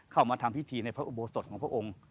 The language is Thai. ทำพิธีในพระอุโบสถของพระองค์